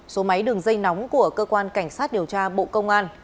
số máy đường dây nóng của cơ quan cảnh sát điều tra bộ công an